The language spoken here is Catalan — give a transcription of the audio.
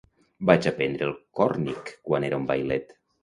Vaig aprendre el còrnic quan era un vailet.